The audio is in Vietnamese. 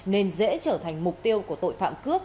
nên dễ trở thành mục tiêu của tội phạm cướp